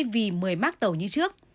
vì một mươi mắc tàu như trước